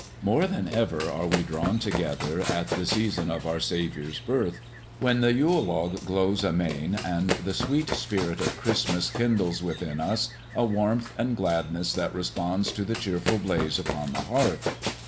More than ever are we drawn together at the season of our Saviour's birth, when the yule log glows amain and the sweet spirit of Christmas kindles within us a warmth and gladness that responds to the cheerful blaze upon the hearth.